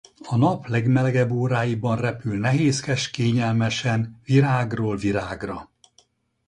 A nap legmelegebb óráiban repül nehézkes-kényelmesen virágról virágra.